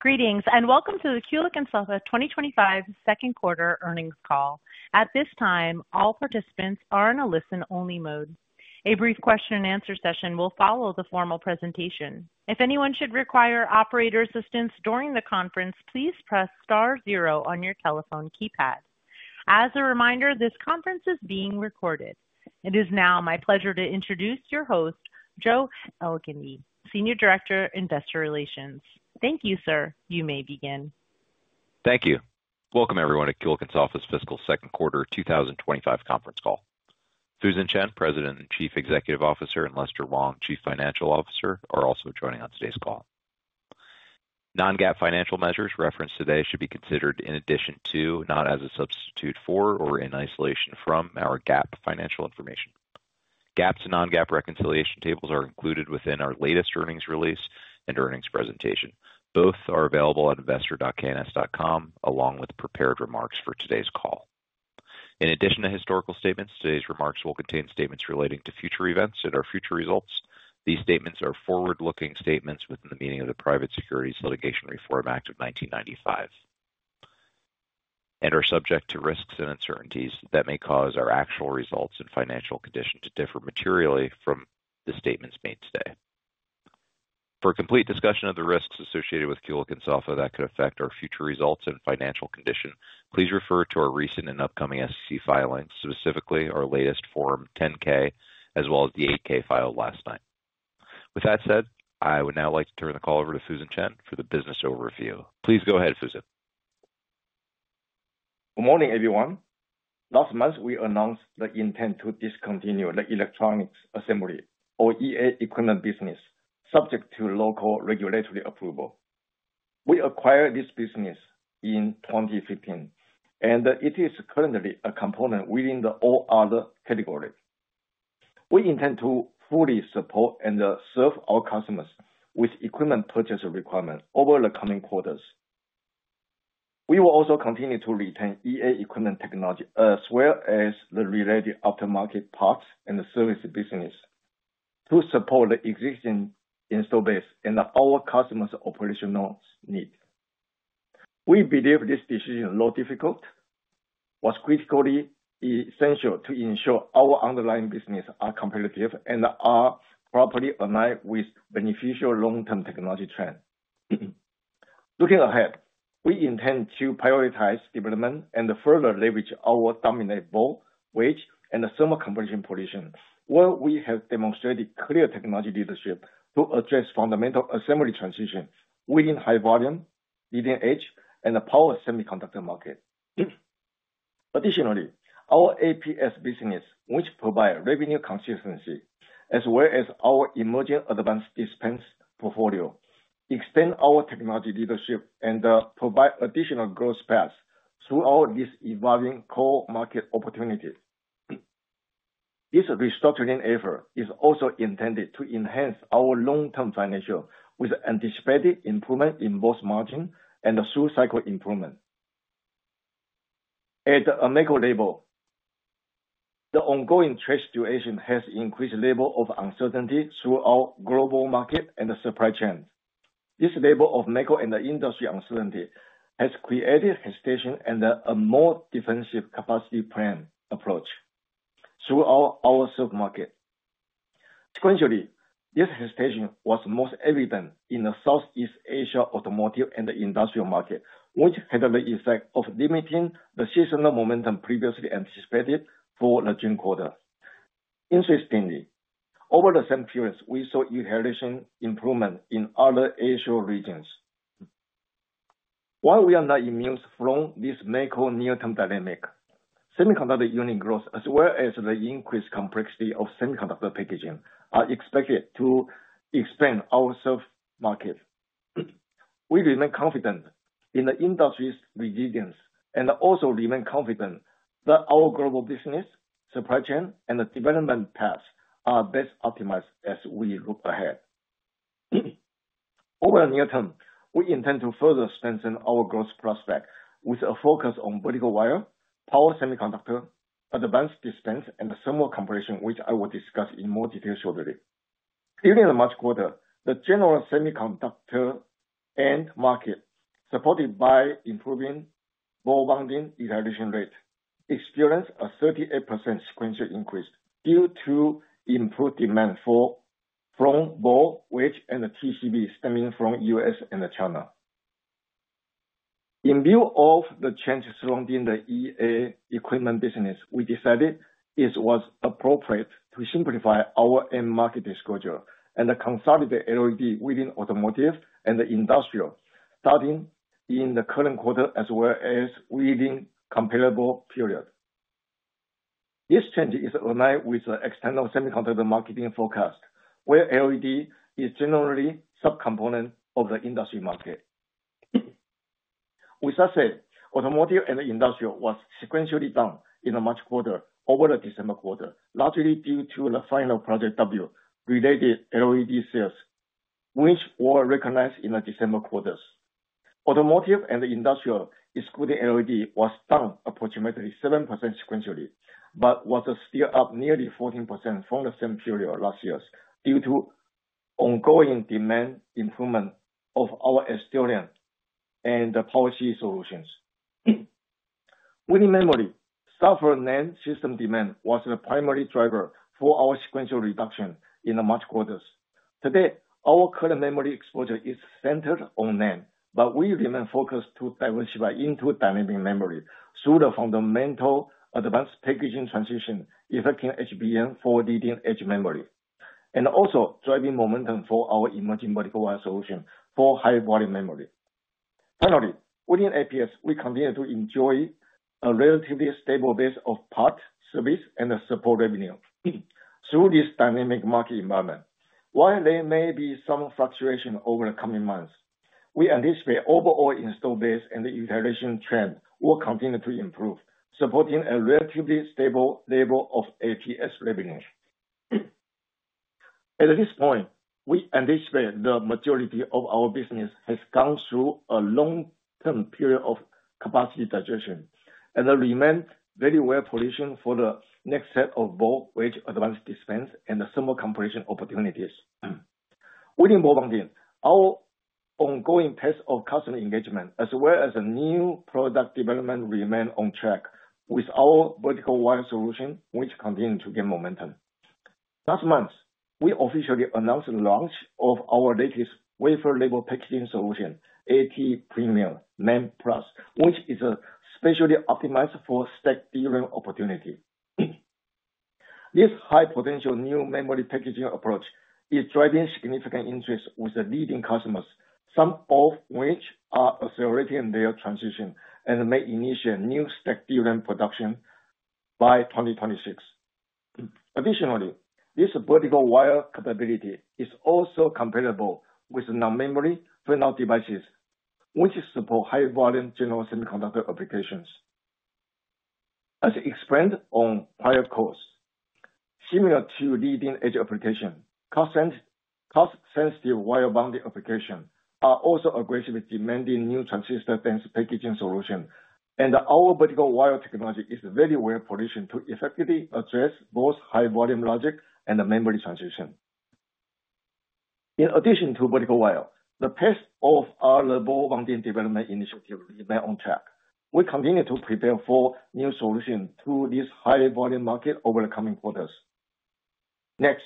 Greetings and welcome to the Kulicke & Soffa 2025 second quarter earnings call. At this time, all participants are in a listen-only mode. A brief question-and-answer session will follow the formal presentation. If anyone should require operator assistance during the conference, please press star zero on your telephone keypad. As a reminder, this conference is being recorded. It is now my pleasure to introduce your host, Joe Elgindy, Senior Director, Investor Relations. Thank you, sir. You may begin. Thank you. Welcome, everyone, to Kulicke & Soffa's fiscal second quarter 2025 conference call. Fusen Chen, President and Chief Executive Officer, and Lester Wong, Chief Financial Officer, are also joining on today's call. Non-GAAP financial measures referenced today should be considered in addition to, not as a substitute for, or in isolation from, our GAAP financial information. GAAP to non-GAAP reconciliation tables are included within our latest earnings release and earnings presentation. Both are available at investor.kns.com, along with prepared remarks for today's call. In addition to historical statements, today's remarks will contain statements relating to future events and our future results. These statements are forward-looking statements within the meaning of the Private Securities Litigation Reform Act of 1995 and are subject to risks and uncertainties that may cause our actual results and financial condition to differ materially from the statements made today. For a complete discussion of the risks associated with Kulicke & Soffa that could affect our future results and financial condition, please refer to our recent and upcoming SEC filings, specifically our latest Form 10-K, as well as the 8-K filed last night. With that said, I would now like to turn the call over to Fusen Chen for the business overview. Please go ahead, Fusen. Good morning, everyone. Last month, we announced the intent to discontinue the electronics assembly, or EA equipment, business subject to local regulatory approval. We acquired this business in 2015, and it is currently a component within the all-other category. We intend to fully support and serve our customers with equipment purchase requirements over the coming quarters. We will also continue to retain EA equipment technology as well as the related aftermarket parts and the service business to support the existing install base and our customers' operational needs. We believe this decision, though difficult, was critically essential to ensure our underlying businesses are competitive and are properly aligned with beneficial long-term technology trends. Looking ahead, we intend to prioritize development and further leverage our dominant Ball, Wedge, and Thermo-Compression position, where we have demonstrated clear technology leadership to address fundamental assembly transition within high-volume, leading-edge, and power semiconductor markets. Additionally, our APS business, which provides revenue consistency, as well as our emerging Advanced Dispense portfolio, extends our technology leadership and provides additional growth paths through our list evolving core market opportunities. This restructuring effort is also intended to enhance our long-term financial with anticipated improvement in both margin and through cycle improvement. At a macro level, the ongoing trade situation has increased level of uncertainty through our global market and supply chains. This level of macro and industry uncertainty has created hesitation and a more defensive capacity plan approach throughout our supermarket. Sequentially, this hesitation was most evident in the Southeast Asia automotive and industrial market, which had the effect of limiting the seasonal momentum previously anticipated for the June quarter. Interestingly, over the same period, we saw inhalation improvement in other Asia regions. While we are not immune from this macro near-term dynamic, semiconductor unit growth, as well as the increased complexity of semiconductor packaging, are expected to expand our surf market. We remain confident in the industry's resilience and also remain confident that our global business, supply chain, and development paths are best optimized as we look ahead. Over the near term, we intend to further strengthen our growth prospect with a focus on Vertical Wire, Power Semiconductor, Advanced Dispense, and Thermo-Compression, which I will discuss in more detail shortly. During the March quarter, the general semiconductor end market, supported by improving ball bonding utilization rate, experienced a 38% sequential increase due to improved demand for ball, wedge, and TCB stemming from U.S. and China. In view of the change surrounding the EA equipment business, we decided it was appropriate to simplify our end market disclosure and consolidate LED within automotive and industrial starting in the current quarter as well as within comparable period. This change is aligned with the external semiconductor marketing forecast, where LED is generally a subcomponent of the industry market. We saw that automotive and industrial was sequentially down in the March quarter over the December quarter, largely due to the final Project W related LED sales, which were recognized in the December quarter. Automotive and industrial excluding LED was down approximately 7% sequentially, but was still up nearly 14% from the same period last year due to ongoing demand improvement of our Asterion and Power-C solutions. Within memory, software NAND system demand was the primary driver for our sequential reduction in the March quarter. Today, our current memory exposure is centered on NAND, but we remain focused to diversify into dynamic memory through the fundamental advanced packaging transition effecting HBM for leading-edge memory and also driving momentum for our emerging vertical wire solution for high-volume memory. Finally, within APS, we continue to enjoy a relatively stable base of parts, service, and support revenue through this dynamic market environment. While there may be some fluctuation over the coming months, we anticipate overall install base and the inhalation trend will continue to improve, supporting a relatively stable level of APS revenue. At this point, we anticipate the majority of our business has gone through a long-term period of capacity digestion and remained very well positioned for the next set of Ball, Wedge, Advanced Dispense, and Thermo-Compression opportunities. Within Ball Bonding, our ongoing test of customer engagement, as well as new product development, remain on track with our Vertical Wire solution, which continues to gain momentum. Last month, we officially announced the launch of our latest Wafer-Level-Packaging solution, ATPremier MEM Plus, which is specially optimized for stacked DRAM opportunity. This high-potential new memory packaging approach is driving significant interest with leading customers, some of which are accelerating their transition and may initiate new stacked DRAM production by 2026. Additionally, this Vertical Wire capability is also compatible with non-memory fan-out devices, which support high-volume general semiconductor applications. As explained on prior calls, similar to leading-edge applications, cost-sensitive wire bonding applications are also aggressively demanding new transistor-dense packaging solutions, and our Vertical Wire technology is very well positioned to effectively address both high-volume logic and memory transition. In addition to Vertical Wire, the pace of our Ball Bonding development initiative remains on track. We continue to prepare for new solutions to this high-volume market over the coming quarters. Next,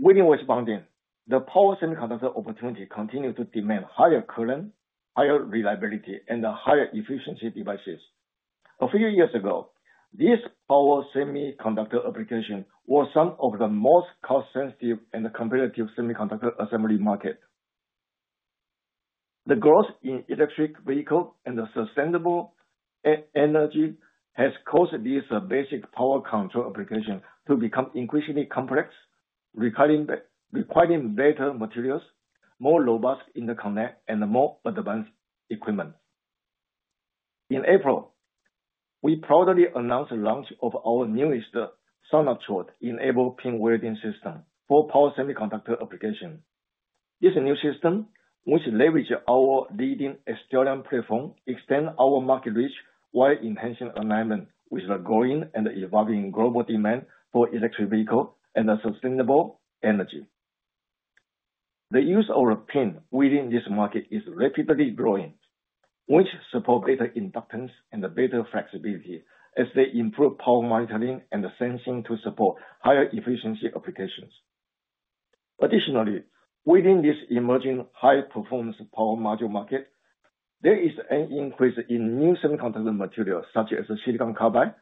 within Wedge Bonding, the power semiconductor opportunity continues to demand higher current, higher reliability, and higher efficiency devices. A few years ago, this power semiconductor application was some of the most cost-sensitive and competitive semiconductor assembly market. The growth in electric vehicles and sustainable energy has caused this basic power control application to become increasingly complex, requiring better materials, more robust interconnects, and more advanced equipment. In April, we proudly announced the launch of our newest Sonotrode-enabled pin welding system for power semiconductor application. This new system, which leverages our leading Asterion platform, extends our market reach while intentionally aligning with the growing and evolving global demand for electric vehicles and sustainable energy. The use of a pin within this market is rapidly growing, which supports better inductance and better flexibility as they improve power monitoring and sensing to support higher efficiency applications. Additionally, within this emerging high-performance power module market, there is an increase in new semiconductor materials such as silicon carbide,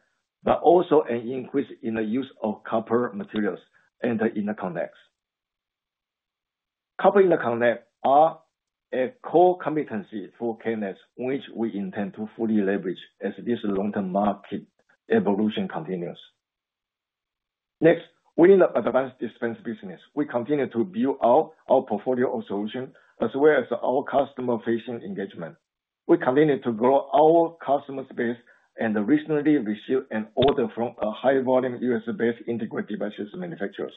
but also an increase in the use of copper materials and interconnects. Copper interconnects are a core competency for K&S, which we intend to fully leverage as this long-term market evolution continues. Next, within the advanced dispense business, we continue to build out our portfolio of solutions as well as our customer-facing engagement. We continue to grow our customer base and recently received an order from a high-volume U.S.-based integrated devices manufacturer.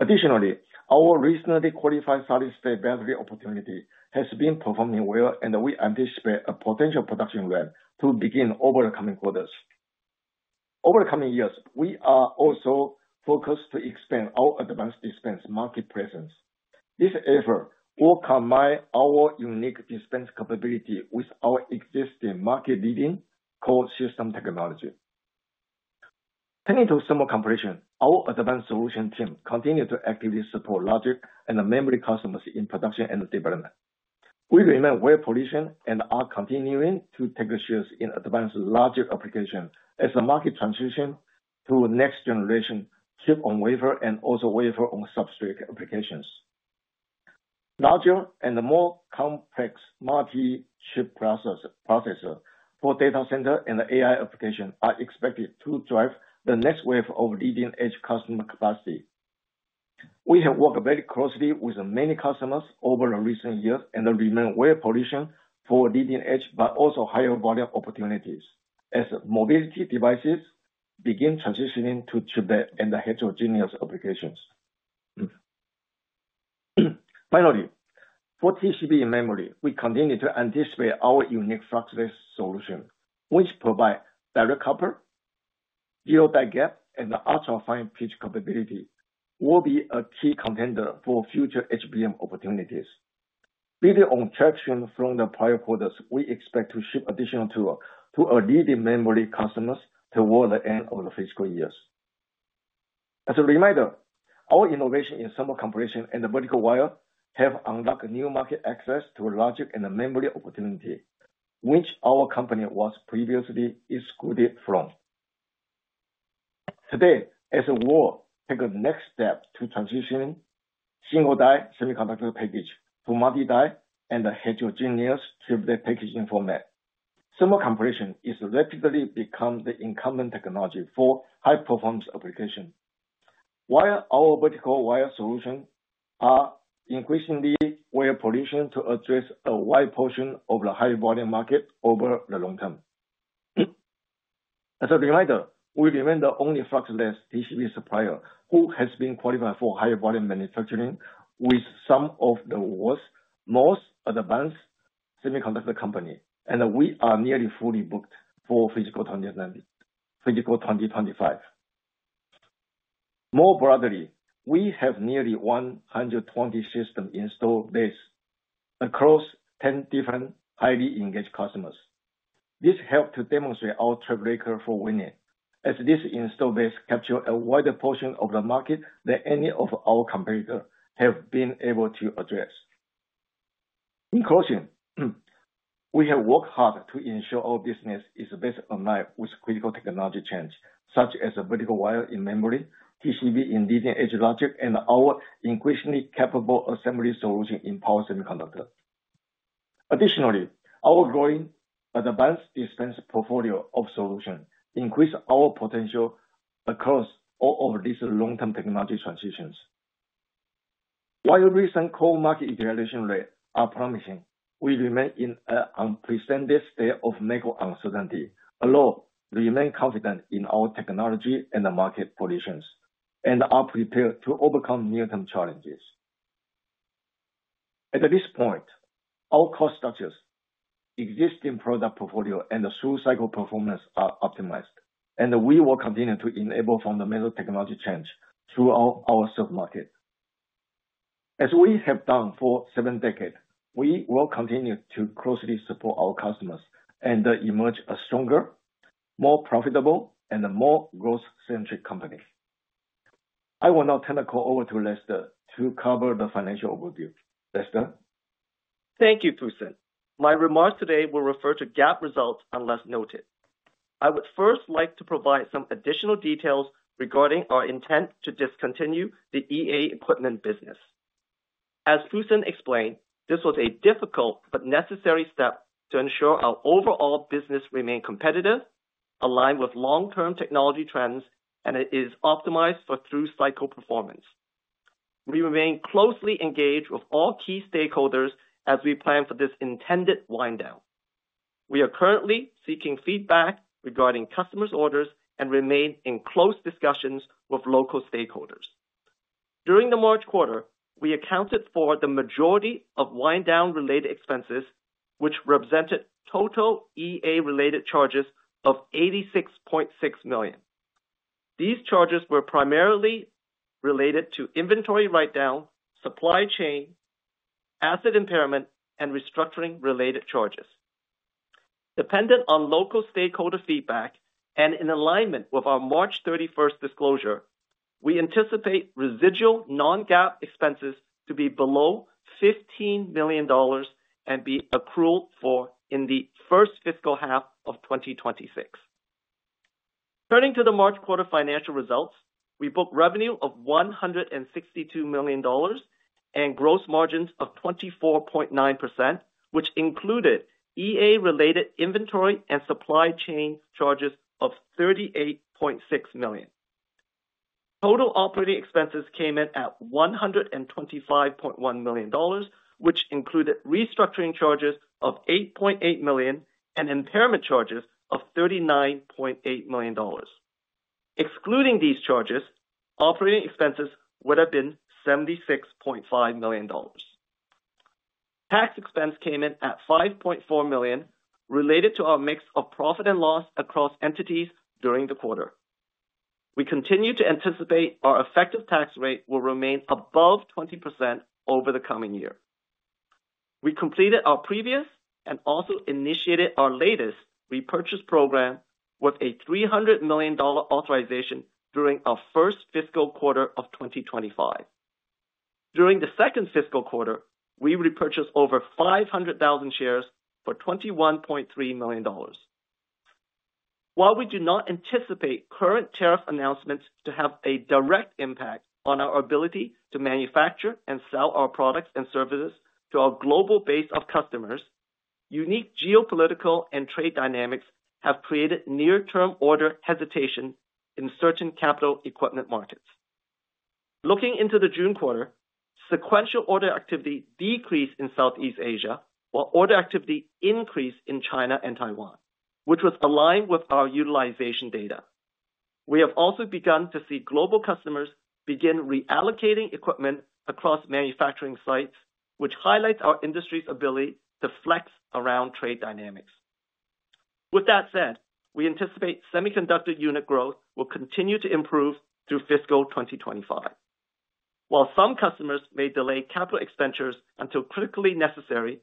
Additionally, our recently qualified solid-state battery opportunity has been performing well, and we anticipate a potential production run to begin over the coming quarters. Over the coming years, we are also focused to expand our Advanced Dispense market presence. This effort will combine our unique dispense capability with our existing market-leading core system technology. Turning to Thermo-Compression, our advanced solution team continues to actively support logic and memory customers in production and development. We remain well positioned and are continuing to take shares in advanced logic applications as the market transition to next generation chip-on-wafer and also wafer-on-substrate applications. Larger and more complex multi-chip processors for data centers and AI applications are expected to drive the next wave of leading-edge customer capacity. We have worked very closely with many customers over the recent years and remain well positioned for leading-edge, but also higher-volume opportunities as mobility devices begin transitioning to chip-based and heterogeneous applications. Finally, for TCB memory, we continue to anticipate our unique flexible solution, which provides direct copper, zero die gap, and ultra-fine pitch capability, which will be a key contender for future HBM opportunities. Building on traction from the prior quarters, we expect to ship additional tools to our leading memory customers toward the end of the fiscal year. As a reminder, our innovation in Thermo-Compression and Vertical Wire has unlocked new market access to logic and memory opportunity, which our company was previously excluded from. Today, as we take the next step to transition single die semiconductor package to multi-die and heterogeneous chip-based packaging format, thermal compression has rapidly become the incumbent technology for high-performance applications. While our Vertical Wire solutions are increasingly well positioned to address a wide portion of the high-volume market over the long term. As a reminder, we remain the only flexible TCB supplier who has been qualified for high-volume manufacturing with some of the world's most advanced semiconductor companies, and we are nearly fully booked for fiscal 2025. More broadly, we have nearly 120 systems installed base across 10 different highly engaged customers. This helped to demonstrate our trailbreaker for winning, as this install base captures a wider portion of the market than any of our competitors have been able to address. In closing, we have worked hard to ensure our business is best aligned with critical technology change such as vertical wire in memory, TCB in leading-edge logic, and our increasingly capable assembly solution in power semiconductors. Additionally, our growing Advanced Dispense portfolio of solutions increases our potential across all of these long-term technology transitions. While recent core market evaluation rates are promising, we remain in an unprecedented state of macro uncertainty, although we remain confident in our technology and market positions, and are prepared to overcome near-term challenges. At this point, our core structures, existing product portfolio, and through cycle performance are optimized, and we will continue to enable fundamental technology change throughout our surf market. As we have done for seven decades, we will continue to closely support our customers and emerge a stronger, more profitable, and more growth-centric company. I will now turn the call over to Lester to cover the financial overview. Lester? Thank you, Fusen. My remarks today will refer to GAAP results unless noted. I would first like to provide some additional details regarding our intent to discontinue the EA equipment business. As Fusen explained, this was a difficult but necessary step to ensure our overall business remained competitive, aligned with long-term technology trends, and it is optimized for through cycle performance. We remain closely engaged with all key stakeholders as we plan for this intended wind down. We are currently seeking feedback regarding customers' orders and remain in close discussions with local stakeholders. During the March quarter, we accounted for the majority of wind down-related expenses, which represented total EA-related charges of $86.6 million. These charges were primarily related to inventory write-down, supply chain, asset impairment, and restructuring-related charges. Dependent on local stakeholder feedback and in alignment with our March 31st disclosure, we anticipate residual non-GAAP expenses to be below $15 million and be accrued for in the first fiscal half of 2026. Turning to the March quarter financial results, we booked revenue of $162 million and gross margins of 24.9%, which included EA-related inventory and supply chain charges of $38.6 million. Total operating expenses came in at $125.1 million, which included restructuring charges of $8.8 million and impairment charges of $39.8 million. Excluding these charges, operating expenses would have been $76.5 million. Tax expense came in at $5.4 million related to our mix of profit and loss across entities during the quarter. We continue to anticipate our effective tax rate will remain above 20% over the coming year. We completed our previous and also initiated our latest repurchase program with a $300 million authorization during our first fiscal quarter of 2025. During the second fiscal quarter, we repurchased over 500,000 shares for $21.3 million. While we do not anticipate current tariff announcements to have a direct impact on our ability to manufacture and sell our products and services to our global base of customers, unique geopolitical and trade dynamics have created near-term order hesitation in certain capital equipment markets. Looking into the June quarter, sequential order activity decreased in Southeast Asia, while order activity increased in China and Taiwan, which was aligned with our utilization data. We have also begun to see global customers begin reallocating equipment across manufacturing sites, which highlights our industry's ability to flex around trade dynamics. With that said, we anticipate semiconductor unit growth will continue to improve through fiscal 2025. While some customers may delay capital expenditures until critically necessary,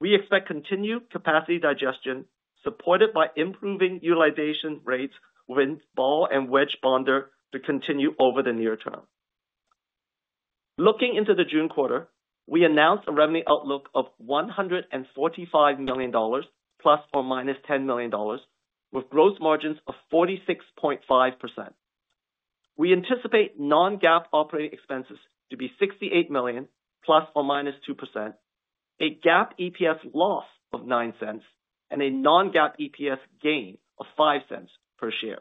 we expect continued capacity digestion supported by improving utilization rates within Ball and Wedge bonder to continue over the near term. Looking into the June quarter, we announced a revenue outlook of $145 million, plus or minus $10 million, with gross margins of 46.5%. We anticipate non-GAAP operating expenses to be $68 million, ±2%, a GAAP EPS loss of $0.09, and a non-GAAP EPS gain of $0.05 per share.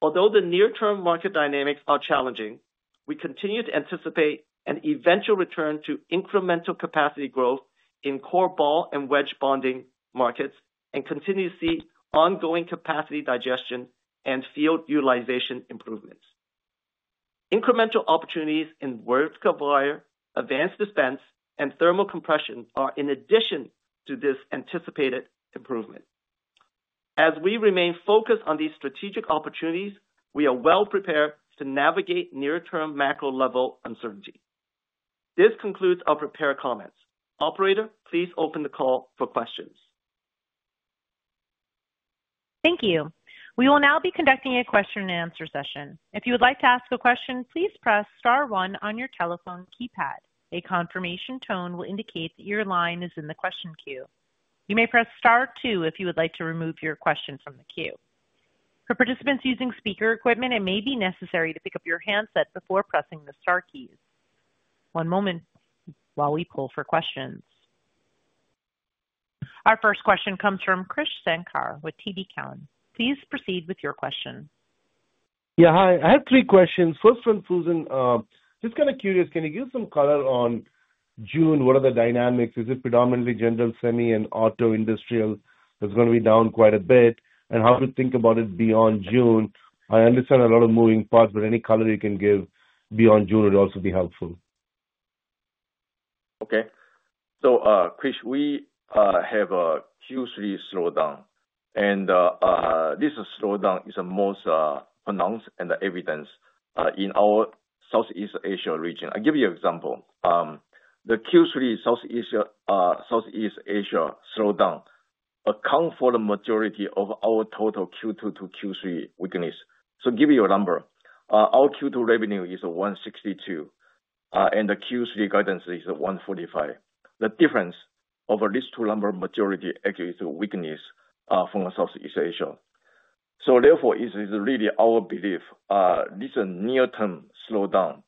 Although the near-term market dynamics are challenging, we continue to anticipate an eventual return to incremental capacity growth in core Ball and Wedge bonding markets and continue to see ongoing capacity digestion and field utilization improvements. Incremental opportunities in Vertical Wire, Advanced Dispense, and Thermo-Compression are in addition to this anticipated improvement. As we remain focused on these strategic opportunities, we are well prepared to navigate near-term macro-level uncertainty. This concludes our prepared comments. Operator, please open the call for questions. Thank you. We will now be conducting a question-and-answer session. If you would like to ask a question, please press Star one on your telephone keypad. A confirmation tone will indicate that your line is in the question queue. You may press Star two if you would like to remove your question from the queue. For participants using speaker equipment, it may be necessary to pick up your handset before pressing the Star keys. One moment while we pull for questions. Our first question comes from Krish Sankar with TD Cowen. Please proceed with your question. Yeah, hi. I have three questions. First one, Fusen. Just kind of curious, can you give some color on June? What are the dynamics? Is it predominantly general semi and auto industrial that's going to be down quite a bit? And how to think about it beyond June? I understand a lot of moving parts, but any color you can give beyond June would also be helpful. Okay. So, Krish, we have a Q3 slowdown. This slowdown is most pronounced and evident in our Southeast Asia region. I'll give you an example. The Q3 Southeast Asia slowdown accounts for the majority of our total Q2 to Q3 weakness. To give you a number, our Q2 revenue is $162, and the Q3 guidance is $145. The difference of these two numbers' majority actually is a weakness from Southeast Asia. Therefore, it is really our belief this near-term slowdown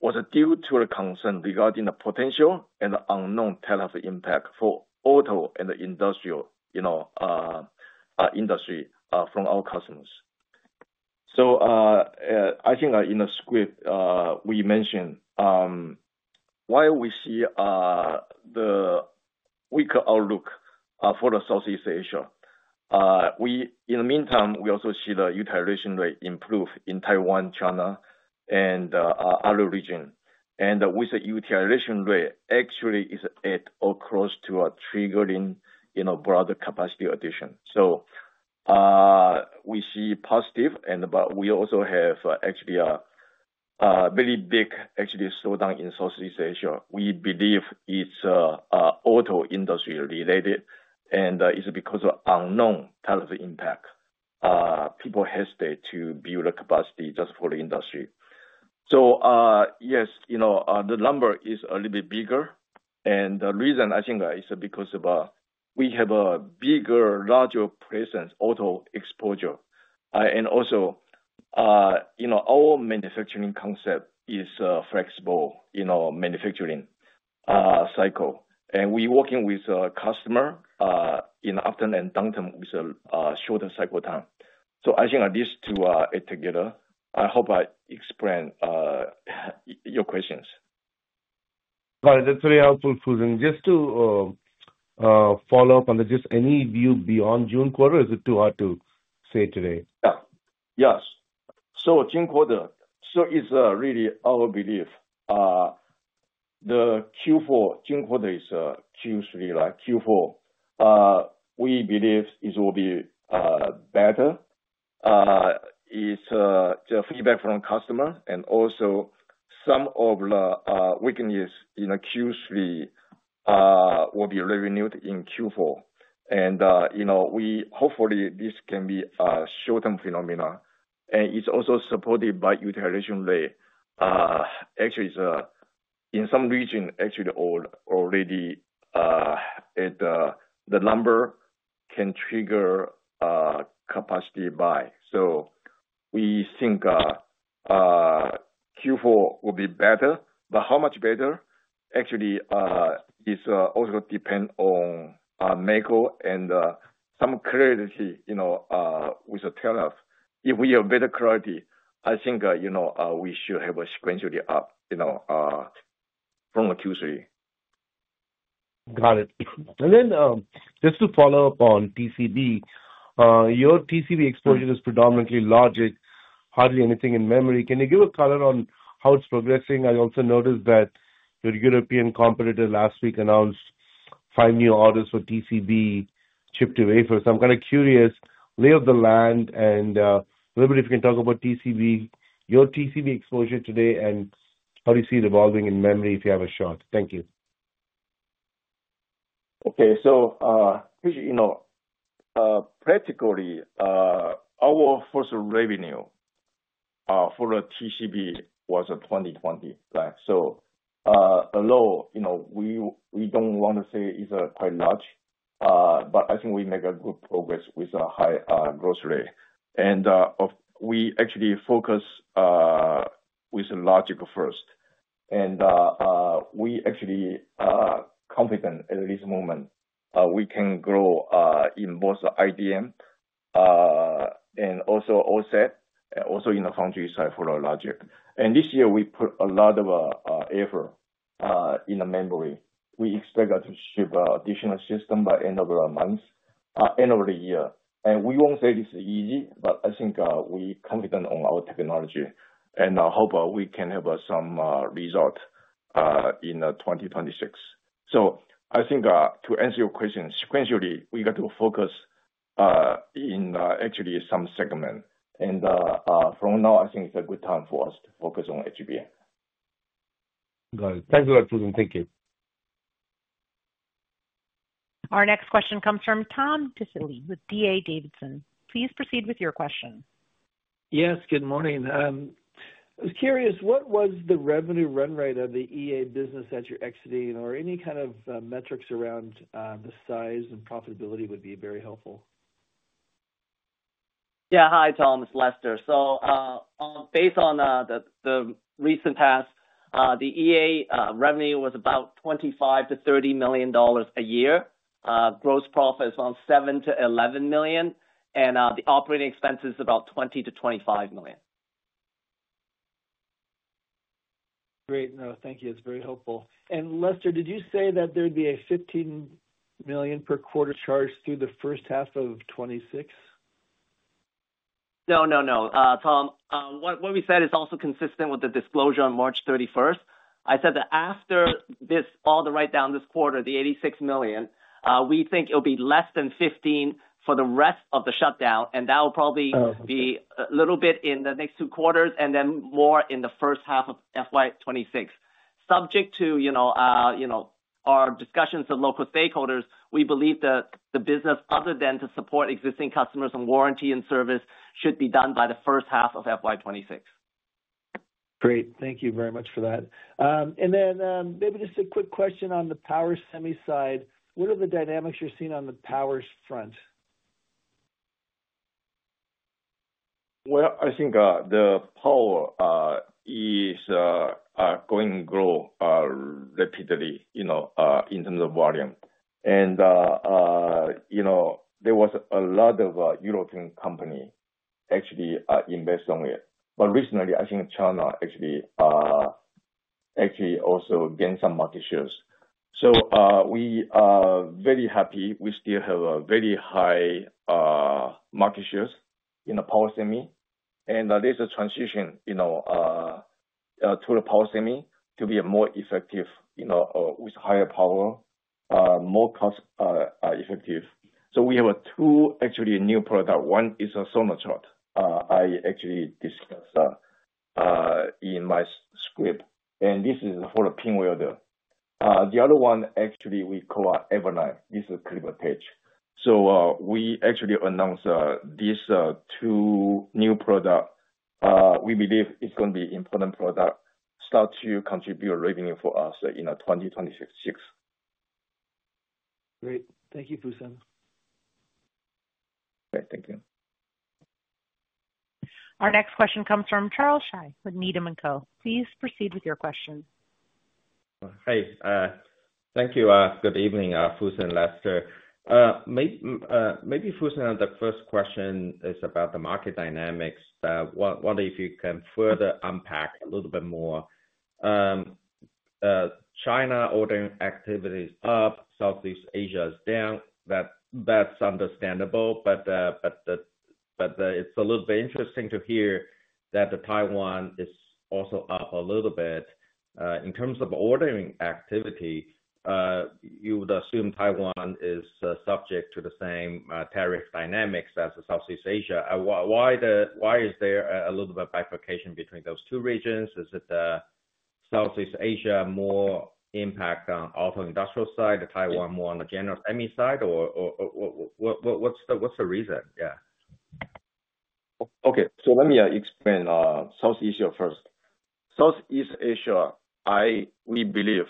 was due to a concern regarding the potential and the unknown tariff impact for auto and the industrial industry from our customers. I think in the script, we mentioned while we see the weaker outlook for Southeast Asia, in the meantime, we also see the utilization rate improve in Taiwan, China, and other regions. With the utilization rate, actually, it is at or close to triggering broader capacity addition. We see positive, but we also have actually a very big slowdown in Southeast Asia. We believe it is auto industry-related, and it is because of unknown tariff impact. People hesitate to build a capacity just for the industry. Yes, the number is a little bit bigger. The reason, I think, is because we have a bigger, larger presence, auto exposure. Also, our manufacturing concept is a flexible manufacturing cycle. We are working with a customer in upturn and downturn with a shorter cycle time. I think these two add together. I hope I explained your questions. That's really helpful, Fusen. Just to follow up on this, just any view beyond June quarter? Is it too hard to say today? Yeah. Yes. So June quarter, so it's really our belief. The Q4, June quarter is Q3, like Q4. We believe it will be better. It's the feedback from customers, and also some of the weakness in Q3 will be revenued in Q4. Hopefully, this can be a short-term phenomenon. It's also supported by utilization rate. Actually, in some regions, actually, already the number can trigger capacity buy. We think Q4 will be better. How much better? Actually, it also depends on macro and some clarity with the tariff. If we have better clarity, I think we should have a sequential up from Q3. Got it. Just to follow up on TCB, your TCB exposure is predominantly logic, hardly anything in memory. Can you give a color on how it's progressing? I also noticed that your European competitor last week announced five new orders for TCB shipped away. So I'm kind of curious, lay of the land, and a little bit if you can talk about TCB, your TCB exposure today, and how do you see it evolving in memory if you have a shot? Thank you. Okay. So practically, our first revenue for TCB was 2020. So although we don't want to say it's quite large, but I think we make good progress with a high gross rate. And we actually focus with logic first. And we actually are confident at this moment we can grow in both IDM and also OSAT, and also in the foundry side for logic. And this year, we put a lot of effort in the memory. We expect to ship additional systems by end of the month, end of the year. We will not say this is easy, but I think we are confident on our technology. I hope we can have some result in 2026. I think to answer your question, sequentially, we got to focus in actually some segment. From now, I think it is a good time for us to focus on HBM. Got it. Thank you, Fusen. Thank you. Our next question comes from Tom Diffely with D.A. Davidson. Please proceed with your question. Yes. Good morning. I was curious, what was the revenue run rate of the EA business that you are exiting, or any kind of metrics around the size and profitability would be very helpful? Yeah. Hi, Tom. It is Lester. Based on the recent past, the EA revenue was about $25 million-$30 million a year. Gross profit is around $7-$11 million. The operating expenses are about $20-$25 million. Great. No, thank you. It's very helpful. Lester, did you say that there'd be a $15 million per quarter charge through the first half of 2026? No, no, no, Tom. What we said is also consistent with the disclosure on March 31. I said that after all the write-down this quarter, the $86 million, we think it'll be less than $15 million for the rest of the shutdown. That will probably be a little bit in the next two quarters and then more in the first half of FY 2026. Subject to our discussions with local stakeholders, we believe that the business, other than to support existing customers and warranty and service, should be done by the first half of FY 2026. Great. Thank you very much for that. Maybe just a quick question on the power semi side. What are the dynamics you're seeing on the power front? I think the power is going to grow rapidly in terms of volume. There was a lot of European companies actually investing on it. Recently, I think China actually also gained some market shares. We are very happy. We still have a very high market share in the power semi. There is a transition to the power semi to be more effective with higher power, more cost-effective. We have two actually new products. One is a Sonotrode I actually discussed in my script. This is for the pin welding. The other one actually we call Avaline. This is a finer pitch. We actually announced these two new products. We believe it's going to be an important product, start to contribute revenue for us in 2026. Great. Thank you, Fusen. Okay. Thank you. Our next question comes from Charles Shi with Needham & Co. Please proceed with your question. Hi. Thank you. Good evening, Fusen and Lester. Maybe Fusen, the first question is about the market dynamics. I wonder if you can further unpack a little bit more. China ordering activity is up, Southeast Asia is down. That's understandable. It's a little bit interesting to hear that Taiwan is also up a little bit. In terms of ordering activity, you would assume Taiwan is subject to the same tariff dynamics as Southeast Asia. Why is there a little bit of bifurcation between those two regions? Is it Southeast Asia more impact on auto industrial side, Taiwan more on the general semi side, or what's the reason? Yeah. Okay. Let me explain Southeast Asia first. Southeast Asia, we believe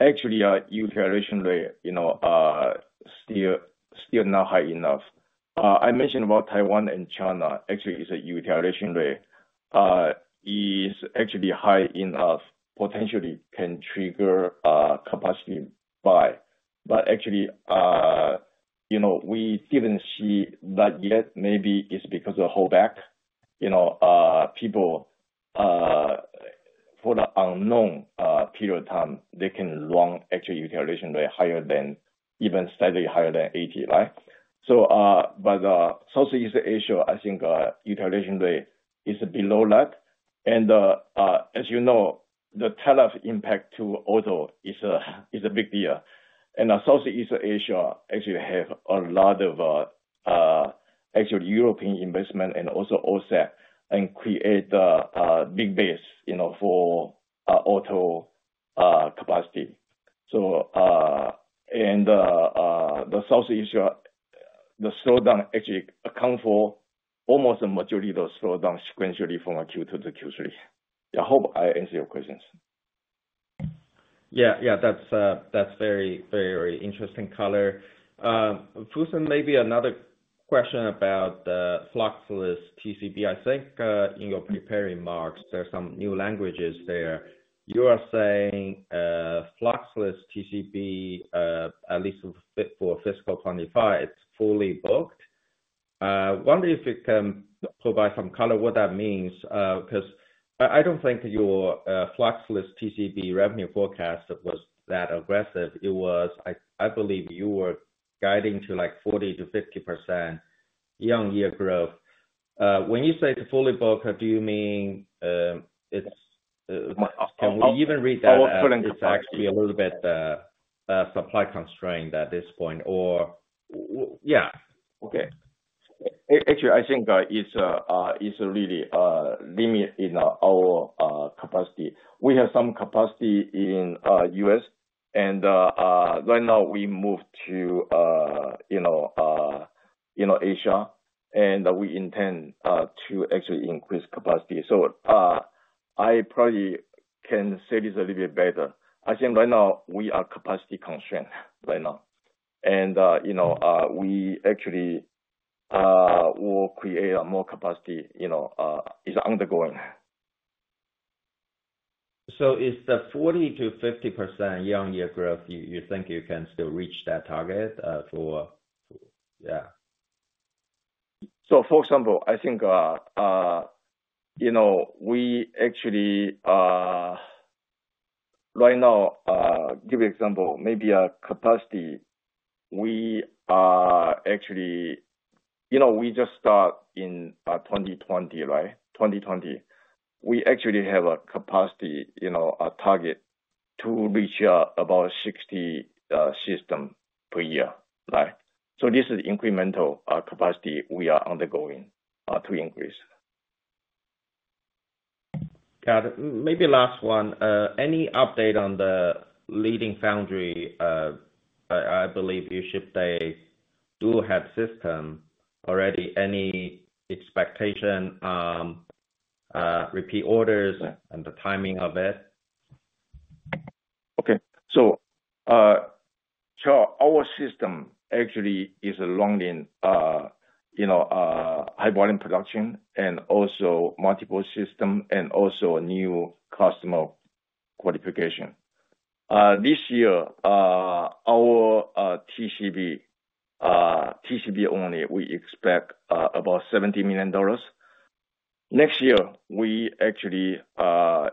actually our utilization rate is still not high enough. I mentioned Taiwan and China, actually, it's a utilization rate that is actually high enough, potentially can trigger capacity buy. Actually, we didn't see that yet. Maybe it's because of holdback. People, for the unknown period of time, they can run actually utilization rate higher than even slightly higher than 80, right? Southeast Asia, I think utilization rate is below that. As you know, the tariff impact to auto is a big deal. Southeast Asia actually has a lot of European investment and also offset and create a big base for auto capacity. Southeast Asia, the slowdown actually accounts for almost a majority of the slowdown sequentially from Q2 to Q3. I hope I answered your questions. Yeah. Yeah. That's very, very interesting color. Fusen, maybe another question about the Fluxless TCB. I think in your prepared remarks, there are some new languages there. You are saying Fluxless TCB, at least for fiscal 2025, it's fully booked. I wonder if you can provide some color what that means because I do not think your Fluxless TCB revenue forecast was that aggressive. It was, I believe, you were guiding to 40-50% year-on-year growth. When you say it's fully booked, do you mean it's—can we even read that as actually a little bit supply constrained at this point, or? Yeah. Okay. Actually, I think it's really limited in our capacity. We have some capacity in the U.S. And right now, we moved to Asia, and we intend to actually increase capacity. I probably can say this a little bit better. I think right now, we are capacity constrained right now. We actually will create more capacity, is undergoing. Is the 40%-50% year-on-year growth, you think you can still reach that target for—yeah. For example, I think we actually right now, give you an example, maybe a capacity we actually, we just start in 2020, right? 2020. We actually have a capacity target to reach about 60 systems per year, right? This is incremental capacity we are undergoing to increase. Got it. Maybe last one. Any update on the leading foundry? I believe you shipped a dual head system already. Any expectation, repeat orders, and the timing of it? Okay. Our system actually is a long-line high-volume production and also multiple systems and also new customer qualification. This year, our TCB only, we expect about $70 million. Next year, we actually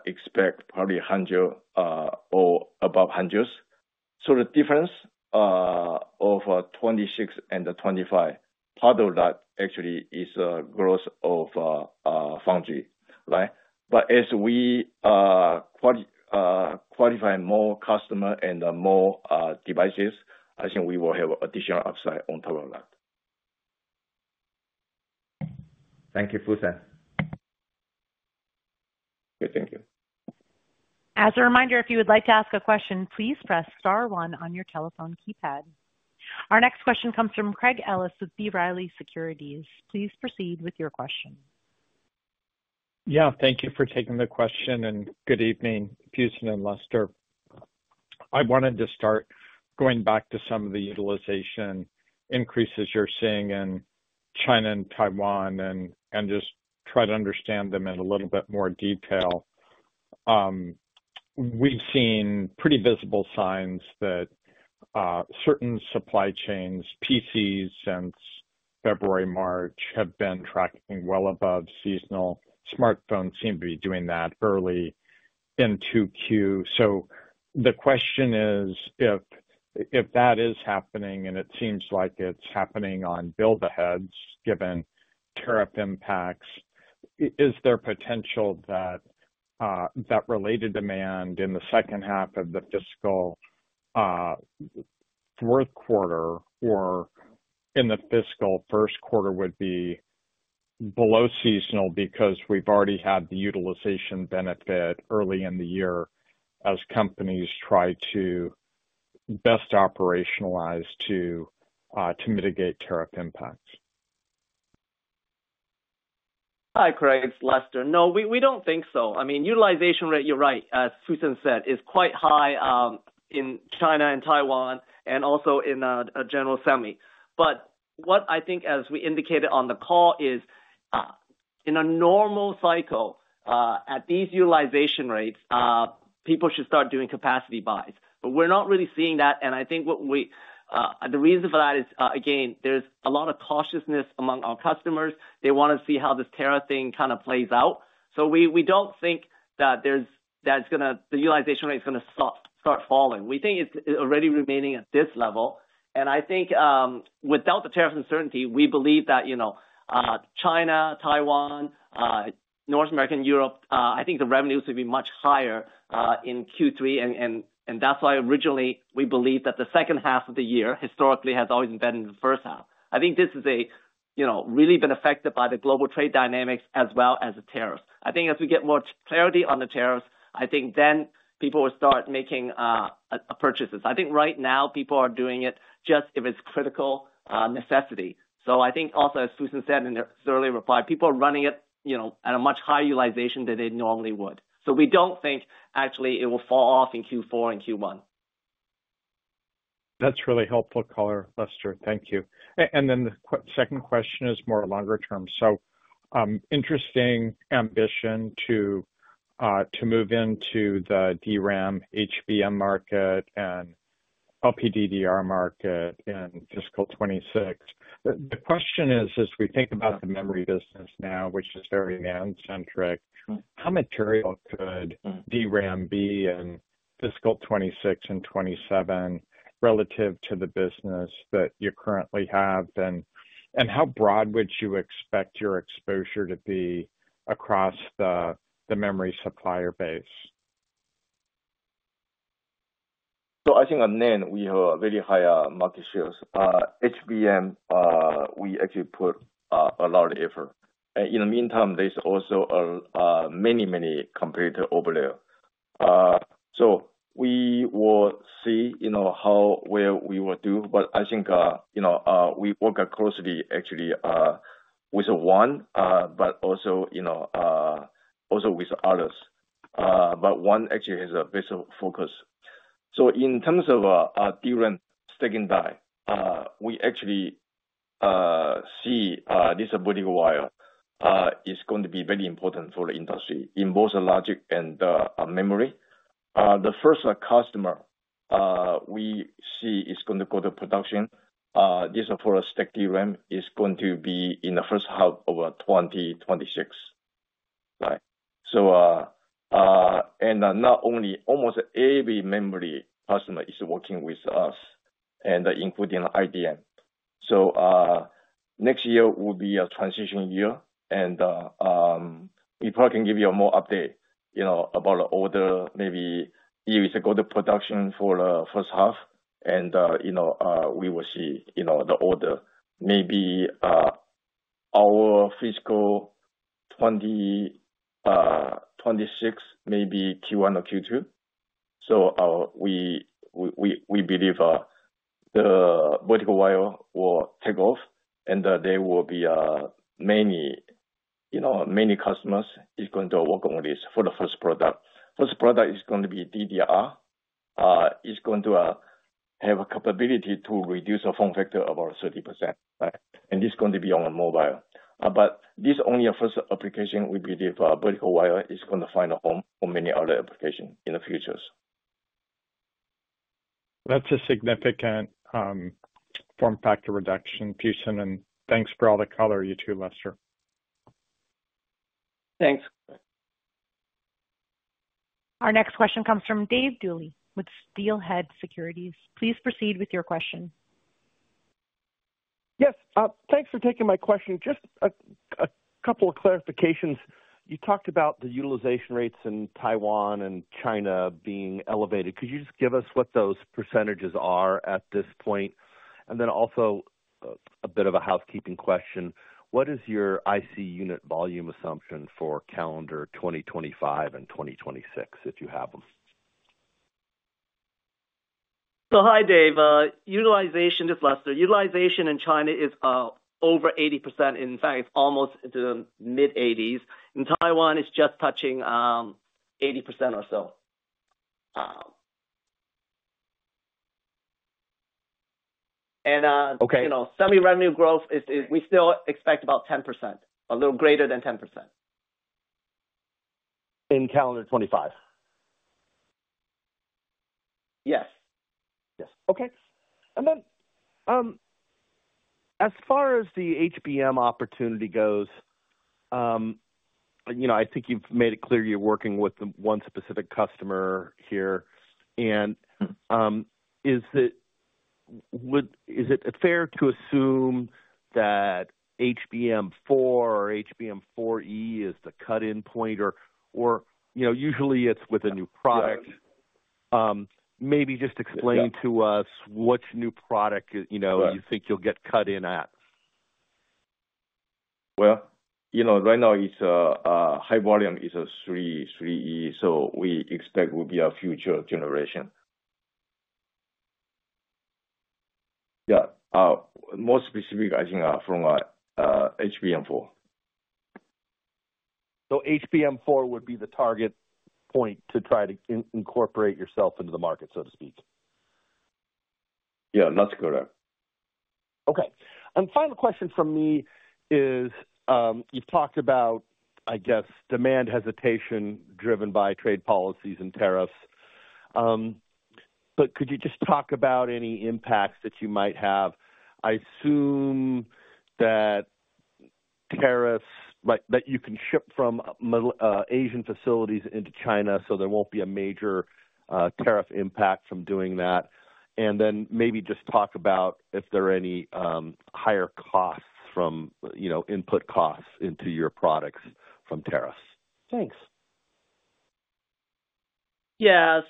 expect probably 100 or above 100. So the difference of 2026 and 2025, part of that actually is gross of foundry, right? But as we qualify more customers and more devices, I think we will have additional upside on top of that. Thank you, Fusen. Okay. Thank you. As a reminder, if you would like to ask a question, please press star one on your telephone keypad. Our next question comes from Craig Ellis with B. Riley Securities. Please proceed with your question. Yeah. Thank you for taking the question. And good evening, Fusen and Lester. I wanted to start going back to some of the utilization increases you're seeing in China and Taiwan and just try to understand them in a little bit more detail. We've seen pretty visible signs that certain supply chains, PCs since February, March, have been tracking well above seasonal. Smartphones seem to be doing that early into Q. So the question is, if that is happening and it seems like it's happening on build-aheads, given tariff impacts, is there potential that related demand in the second half of the fiscal fourth quarter or in the fiscal first quarter would be below seasonal because we've already had the utilization benefit early in the year as companies try to best operationalize to mitigate tariff impacts? Hi, Craig. It's Lester. No, we don't think so. I mean, utilization rate, you're right, as Fusen said, is quite high in China and Taiwan and also in a general semi. What I think, as we indicated on the call, is in a normal cycle, at these utilization rates, people should start doing capacity buys. We're not really seeing that. I think the reason for that is, again, there's a lot of cautiousness among our customers. They want to see how this tariff thing kind of plays out. We do not think that the utilization rate is going to start falling. We think it is already remaining at this level. Without the tariff uncertainty, we believe that China, Taiwan, North America, and Europe, the revenues would be much higher in Q3. That is why originally we believed that the second half of the year historically has always been better than the first half. This has really been affected by the global trade dynamics as well as the tariffs. As we get more clarity on the tariffs, then people will start making purchases. Right now, people are doing it just if it is critical necessity. I think also, as Fusen said in his earlier reply, people are running it at a much higher utilization than they normally would. We do not think actually it will fall off in Q4 and Q1. That is really helpful color, Lester. Thank you. The second question is more longer term. Interesting ambition to move into the DRAM, HBM market, and LPDDR market in fiscal 2026. The question is, as we think about the memory business now, which is very man-centric, how material could DRAM be in fiscal 2026 and 2027 relative to the business that you currently have? How broad would you expect your exposure to be across the memory supplier base? I think on end, we have very high market shares. HBM, we actually put a lot of effort. In the meantime, there are also many, many competitors over there. We will see how well we will do. I think we work closely actually with one, but also with others. One actually has a better focus. In terms of DRAM stack and die, we actually see this Vertical Wire is going to be very important for the industry in both logic and memory. The first customer we see is going to go to production. This is for a stack DRAM. It is going to be in the first half of 2026, right? Not only almost every memory customer is working with us, including IBM. Next year will be a transition year. We probably can give you a more update about the order. Maybe it is a good production for the first half. We will see the order maybe our fiscal 2026, maybe Q1 or Q2. We believe the Vertical Wire will take off. There will be many customers who are going to work on this for the first product. First product is going to be DDR. It's going to have a capability to reduce the form factor about 30%, right? It's going to be on mobile. This is only a first application. We believe Vertical Wire is going to find a home for many other applications in the future. That's a significant form factor reduction, Fusen. Thanks for all the color, you too, Lester. Thanks. Our next question comes from Dave Duley with Steelhead Securities. Please proceed with your question. Yes. Thanks for taking my question. Just a couple of clarifications. You talked about the utilization rates in Taiwan and China being elevated. Could you just give us what those percentages are at this point? Also a bit of a housekeeping question. What is your IC unit volume assumption for calendar 2025 and 2026, if you have them? Hi, Dave. Utilization, just Lester, utilization in China is over 80%. In fact, it is almost the mid-80%s. In Taiwan, it is just touching 80% or so. And semi-revenue growth, we still expect about 10%, a little greater than 10%. In calendar 2025? Yes. Yes. Okay. As far as the HBM opportunity goes, I think you have made it clear you are working with one specific customer here. Is it fair to assume that HBM4 or HBM4E is the cut-in point, or usually it is with a new product? Maybe just explain to us what new product you think you will get cut in at. Right now, high volume is a 3E. We expect it will be a future generation. Yeah. More specific, I think, from HBM4. HBM4 would be the target point to try to incorporate yourself into the market, so to speak? Yeah. That's correct. Okay. Final question from me is, you've talked about, I guess, demand hesitation driven by trade policies and tariffs. Could you just talk about any impacts that you might have? I assume that you can ship from Asian facilities into China, so there will not be a major tariff impact from doing that. Maybe just talk about if there are any higher costs from input costs into your products from tariffs. Thanks. Yeah.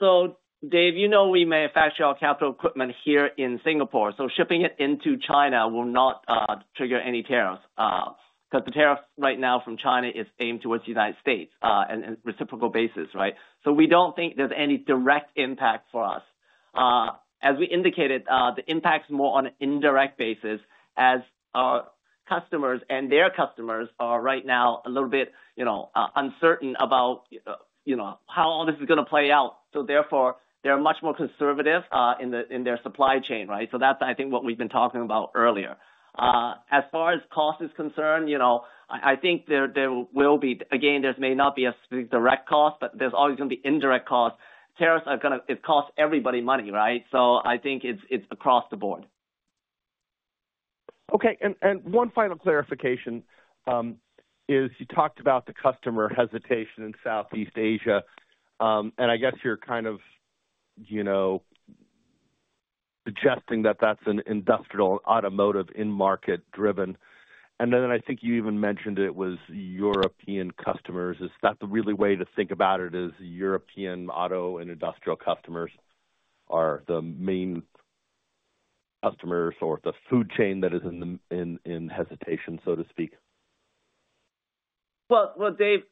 Dave, you know we manufacture all capital equipment here in Singapore. Shipping it into China will not trigger any tariffs because the tariffs right now from China are aimed towards the United States on a reciprocal basis, right? We do not think there is any direct impact for us. As we indicated, the impact is more on an indirect basis as our customers and their customers are right now a little bit uncertain about how all this is going to play out. Therefore, they're much more conservative in their supply chain, right? That's, I think, what we've been talking about earlier. As far as cost is concerned, I think there will be—again, there may not be a direct cost, but there's always going to be indirect costs. Tariffs are going to cost everybody money, right? I think it's across the board. Okay. One final clarification is you talked about the customer hesitation in Southeast Asia. I guess you're kind of suggesting that that's an industrial automotive in-market driven. I think you even mentioned it was European customers. Is that the really way to think about it? Is European auto and industrial customers the main customers or the food chain that is in hesitation, so to speak? Dave,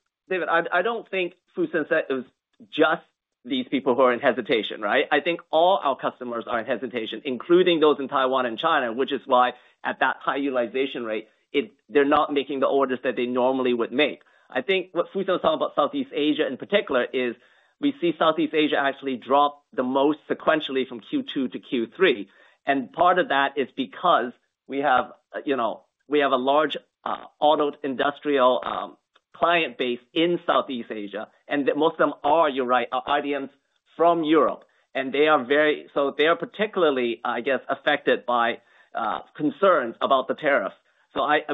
I do not think Fusen said it was just these people who are in hesitation, right? I think all our customers are in hesitation, including those in Taiwan and China, which is why at that high utilization rate, they are not making the orders that they normally would make. I think what Fusen was talking about Southeast Asia in particular is we see Southeast Asia actually drop the most sequentially from Q2 to Q3. Part of that is because we have a large auto industrial client base in Southeast Asia. Most of them are, you are right, IDMs from Europe. They are particularly, I guess, affected by concerns about the tariffs.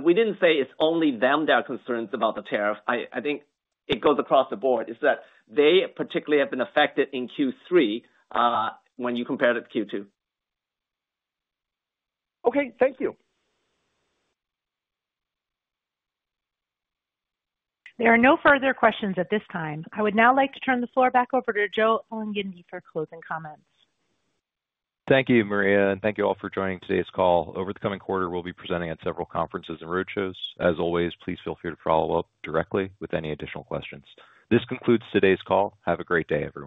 We did not say it is only them that are concerned about the tariff. I think it goes across the board is that they particularly have been affected in Q3 when you compare it to Q2. Okay. Thank you. There are no further questions at this time. I would now like to turn the floor back over to Joe Elgindy for closing comments. Thank you, Maria. And thank you all for joining today's call. Over the coming quarter, we'll be presenting at several conferences and roadshows. As always, please feel free to follow up directly with any additional questions. This concludes today's call. Have a great day everyone.